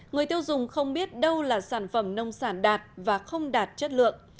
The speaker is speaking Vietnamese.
người tiêu dùng không biết đâu là sản phẩm nông sản đạt và không đạt chất lượng